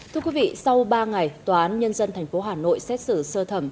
thưa quý vị sau ba ngày tòa án nhân dân tp hà nội xét xử sơ thẩm